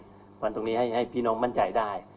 เพราะฉะนั้นตรงนี้ให้พี่น้องมั่นใจได้